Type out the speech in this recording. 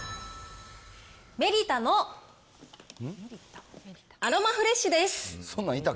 メリタのアロマフレッシュです。